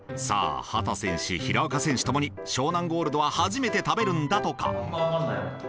さあ畑選手平岡選手ともに湘南ゴールドは初めて食べるんだとか。